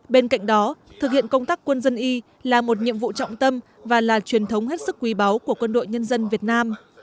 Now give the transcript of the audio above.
bên cạnh đó thực hiện công tác quân dân y là một nhiệm vụ trọng tâm và là truyền thống hết sức quý báu của quân đội nhân dân việt nam